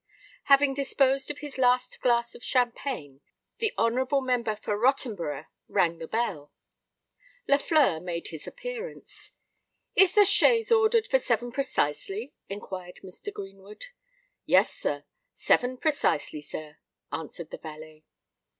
Having disposed of his last glass of champagne, the honourable member for Rottenborough rang the bell. Lafleur made his appearance. "Is the chaise ordered for seven precisely?" inquired Mr. Greenwood. "Yes, sir—seven precisely, sir," answered the valet.